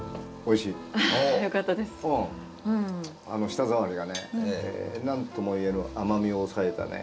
舌触りがねなんとも言えぬ甘みを抑えたね。